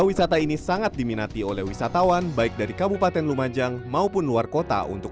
wisata ini sangat diminati oleh wisatawan baik dari kabupaten lumajang maupun luar kota untuk